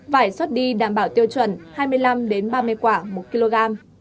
vải xuất đi đảm bảo tiêu chuẩn hai mươi năm ba mươi quả một kg